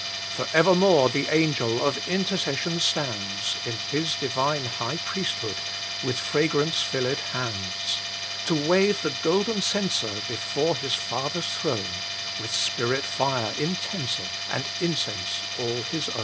For evermore the Angel Of Intercession stands In His Divine High Priesthood With fragrance filled hands, To wave the golden censer Before His Father s throne, With Spirit fire intenser, And incense all His own.